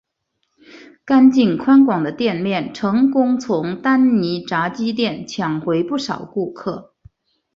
干净宽广的店面成功从丹尼炸鸡店抢回不少顾客。